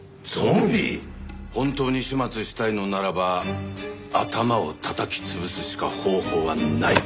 本当に始末したいのならば頭をたたき潰すしか方法はない。